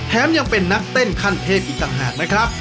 ยังเป็นนักเต้นขั้นเทพอีกต่างหากนะครับ